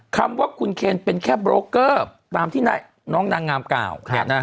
คำว่าคุณเคนเป็นแค่โบรกเกอร์ตามที่น้องนางงามกล่าว